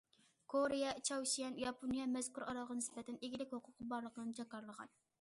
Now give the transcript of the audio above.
كورېيە، چاۋشيەن، ياپونىيە مەزكۇر ئارالغا نىسبەتەن ئىگىلىك ھوقۇقى بارلىقىنى جاكارلىغان.